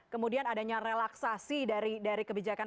kemudian adanya relaksasi dari kebijakan